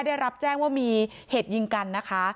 ได้รับแจ้งว่ามีเหตุยิงกันนะคะ